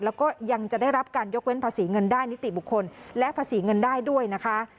แล้วก็ยังจะได้รับการยกเว้นภาษีเงินได้นิติบุคคลและภาษีเงินได้ด้วยนะคะ